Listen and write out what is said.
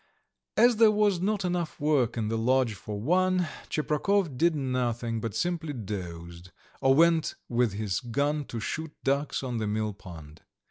As there was not enough work in the lodge for one, Tcheprakov did nothing, but simply dozed, or went with his gun to shoot ducks on the millpond.